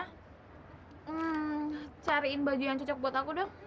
hmm cariin baju yang cocok buat aku dok